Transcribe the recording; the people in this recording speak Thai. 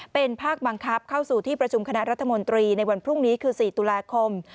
เป็นภาคบังคับเข้าสู่ที่ประชุมคณะรัฐมนตรีในวันพรุ่งนี้คือ๔ตุลาคม